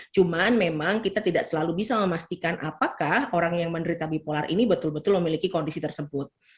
cuman memang kita tidak selalu bisa memastikan apakah orang yang menderita bipolar ini betul betul memiliki kondisi tersebut